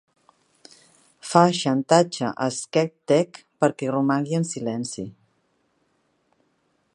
Fa xantatge a skekTek perquè romangui en silenci.